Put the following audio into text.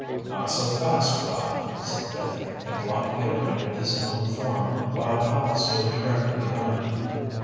"Not so fast, Flapp!" said Dick, and blocked the opening with his own form, while Powell stood directly behind.